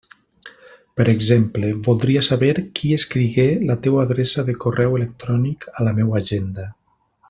Per exemple, voldria saber qui escrigué la teua adreça de correu electrònic a la meua agenda.